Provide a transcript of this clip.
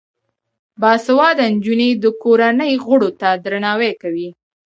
باسواده نجونې د کورنۍ غړو ته درناوی کوي.